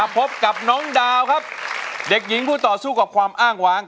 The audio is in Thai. พบกับน้องดาวครับเด็กหญิงผู้ต่อสู้กับความอ้างวาง